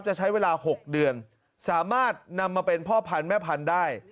จะใช้เวลา๖เดือนสามารถนำมาเป็นพ่อพันธุ์แม่พันธุ์ได้